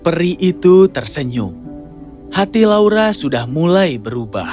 peri itu tersenyum hati laura sudah mulai berubah